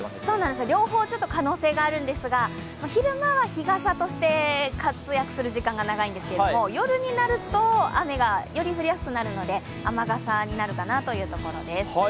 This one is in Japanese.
両方、可能性があるんですが、昼間は日傘として活躍する時間が長いんですけれども夜になると、雨がより降りやすくなるので雨傘になるかなというところです。